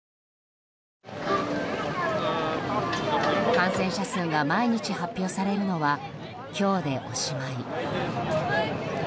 感染者数が毎日発表されるのは今日でおしまい。